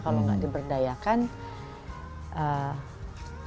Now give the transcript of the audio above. kalau gak diberdayakan akan jadi negara yang siapa